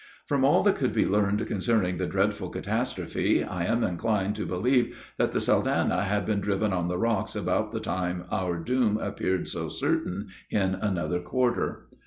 From all that could be learned concerning the dreadful catastrophe, I am inclined to believe that the Saldanha had been driven on the rocks about the time our doom appeared so certain in another quarter.